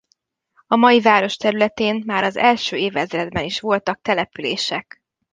A mai város területén már az első évezredben is voltak települések.